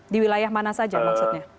di wilayah mana saja maksudnya